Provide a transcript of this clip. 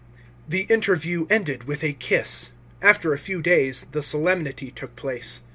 The interview ended with a kiss. After a few days, the solemnity took place.